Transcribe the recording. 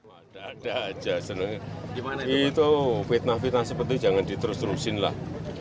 ada ada aja sebenarnya itu fitnah fitnah seperti itu jangan diterus terusin lah